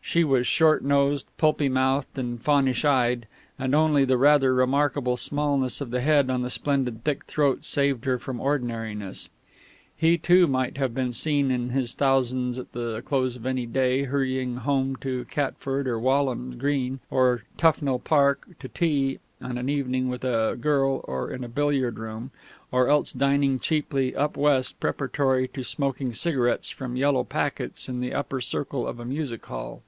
She was short nosed, pulpy mouthed and faunish eyed, and only the rather remarkable smallness of the head on the splendid thick throat saved her from ordinariness. He, too, might have been seen in his thousands at the close of any day, hurrying home to Catford or Walham Green or Tufnell Park to tea and an evening with a girl or in a billiard room, or else dining cheaply "up West" preparatory to smoking cigarettes from yellow packets in the upper circle of a music hall.